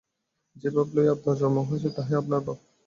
যে-ভাব লইয়া আপনার জন্ম হইয়াছে, তাহাই আপনার ভাব।